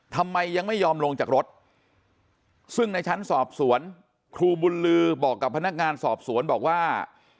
ทำไมยังไม่ยอมลงจากรถซึ่งในชั้นสอบสวนครูบุญลือบอกกับพนักงานสอบสวนบอกว่า